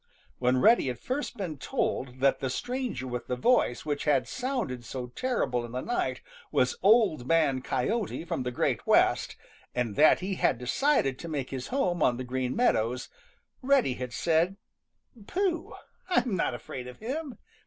When Reddy had first been told that the stranger with the voice which had sounded so terrible in the night was Old Man Coyote from the Great West, and that he had decided to make his home on the Green Meadows, Reddy had said: "Pooh! I'm not afraid of him!"